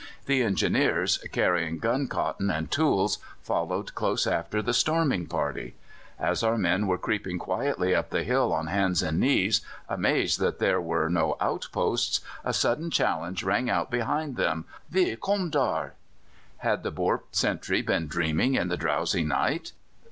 The Engineers, carrying gun cotton and tools, followed close after the storming party. As our men were creeping quietly up the hill on hands and knees, amazed that there were no outposts, a sudden challenge rang out behind them: "Wis kom dar?" Had the Boer sentry been dreaming in the drowsy night?